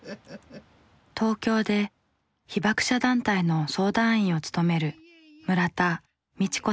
東京で被爆者団体の相談員を務める村田未知子さん。